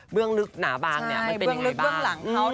เบื้องนึกหนาบังมันเป็นอย่างไรบ้าง